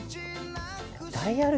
ダイヤル